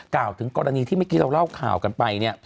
กล่าวถึงกรณีที่เมื่อกี้เราเล่าข่าวกันไป